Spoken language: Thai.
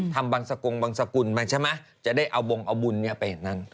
ทำบังสกงบังสกุลใช่ไหมจะได้เอาบงเอาบุญไปนั่ง